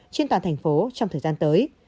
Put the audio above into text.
trên toàn thành phố trong thời gian tới